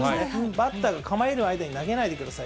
バッターが構える間に投げないでください。